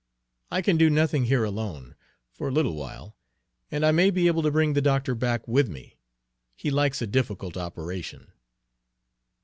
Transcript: "I can do nothing here alone, for a little while, and I may be able to bring the doctor back with me. He likes a difficult operation."